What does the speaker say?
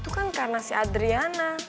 itu kan karena si adriana